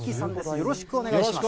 よろしくお願いします。